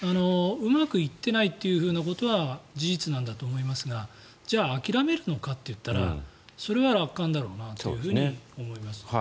うまくいってないということは事実なんだと思いますがじゃあ諦めるのかといったらそれは楽観だろうなと思います。